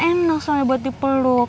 enak soalnya buat dipeluk